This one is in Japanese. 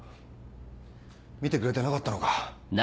見てくれてなかったのか？